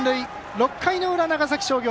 ６回の裏、長崎商業。